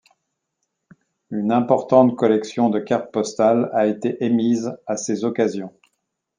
Une importante collection de cartes postales a été émise à ces occasions.